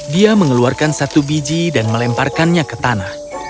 dia mengeluarkan satu biji dan melemparkannya ke tanah